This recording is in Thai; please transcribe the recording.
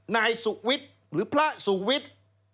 นายสุขวิทธิ์หรือพระสุขวิทธิ์